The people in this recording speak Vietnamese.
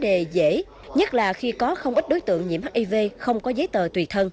để đạt mục tiêu như nêu trên không phải là vấn đề dễ nhất là khi có không ít đối tượng nhiễm hiv không có giấy tờ tùy thân